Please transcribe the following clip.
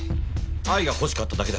愛が欲しかっただけだ。